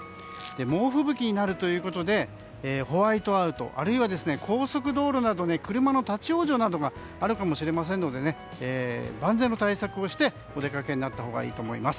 猛吹雪になるということでホワイトアウトあるいは高速道路など車の立ち往生があるかもしれませんので万全の対策をしてお出かけになったほうがいいと思います。